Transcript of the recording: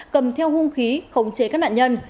cầm theo hung khí khống chế các nạn nhân